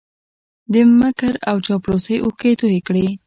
د مکر او چاپلوسۍ اوښکې یې توی کړې